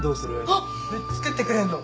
作ってくれんの？